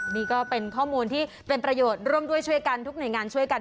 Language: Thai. นี่ก็เป็นข้อมูลที่เป็นประโยชน์ร่วมด้วยช่วยกันทุกหน่วยงานช่วยกัน